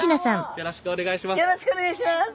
よろしくお願いします。